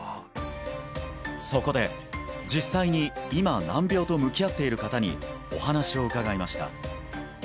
そこで実際に今難病と向き合っている方にお話を伺いました